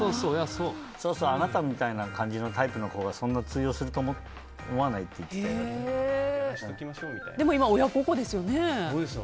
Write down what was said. あなたみたいな感じのタイプの子がそんなに通用すると思わないってでも今、親孝行ですよね。